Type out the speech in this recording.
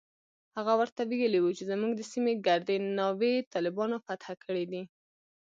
هغه ورته ويلي و چې زموږ د سيمې ګردې ناوې طالبانو فتح کړي دي.